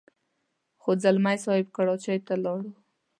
خو ځلمی صاحب کراچۍ ته ولاړ.